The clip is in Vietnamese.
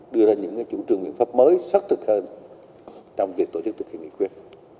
đưa ra những chủ trường biện pháp mới xuất thực hơn trong việc tổ chức thực hiện nghị quyết